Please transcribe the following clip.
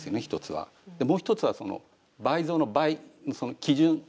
もう一つは倍増の「倍」のその基準。